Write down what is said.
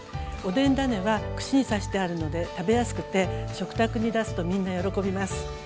おでん種は串に刺してあるので食べやすくて食卓に出すとみんな喜びます。